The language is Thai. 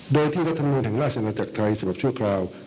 โดยที่รัฐมือนรัชอันตันตัวจากไทยภาพชั่วคราว